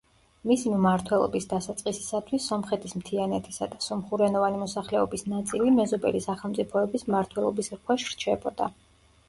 მისი მმართველობის დასაწყისისათვის, სომხეთის მთიანეთისა და სომხურენოვანი მოსახლეობის ნაწილი მეზობელი სახელმწიფოების მმართველობის ქვეშ რჩებოდა.